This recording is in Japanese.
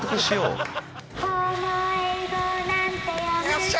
「よっしゃ！